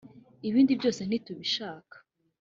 ibindi byose ntitubishaka